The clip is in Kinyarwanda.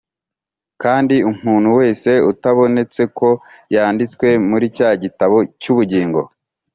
Kandi umuntu wese utabonetse ko yanditswe muri cya gitabo cy’ubugingo,